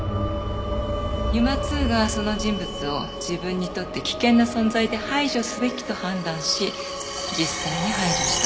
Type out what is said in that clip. ＵＭＡ−Ⅱがその人物を自分にとって危険な存在で排除すべきと判断し実際に排除した。